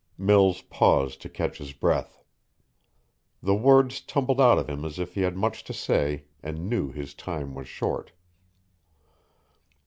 Mills paused to catch his breath. The words tumbled out of him as if he had much to say and knew his time was short.